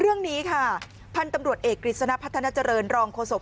เรื่องนี้ค่ะพันธุ์ตำรวจเอกกฤษณะพัฒนาเจริญรองโฆษก